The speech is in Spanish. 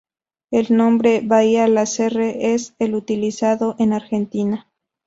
El nombre "bahía Lasserre" es el utilizado en Argentina.